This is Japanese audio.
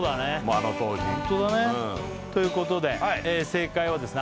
あの当時ホントだねということで正解はですね